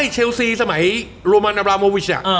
เชลซีสมัยโรมันนาบราโมวิช